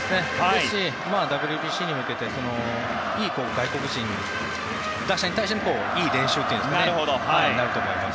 ＷＢＣに向けて外国人打者に対してのいい練習ということになると思います。